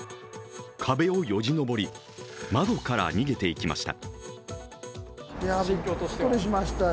壁をよじ登り、窓から逃げていきました。